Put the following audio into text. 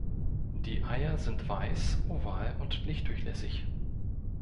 Die Eier sind weiß, oval und lichtdurchlässig.